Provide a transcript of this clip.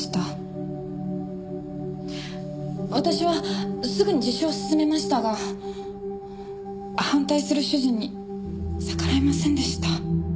私はすぐに自首を勧めましたが反対する主人に逆らえませんでした。